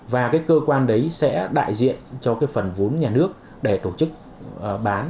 và cơ quan đấy sẽ đại diện cho phần vốn nhà nước để tổ chức bán